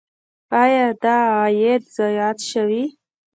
آیا دا عاید زیات شوی؟